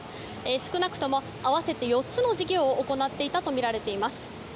少なくとも合わせて４つの事業を行っていたとみられています。